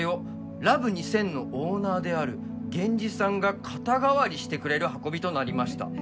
「ラブ２０００のオーナーであるゲンジさんが」「肩代わりしてくれる運びとなりました」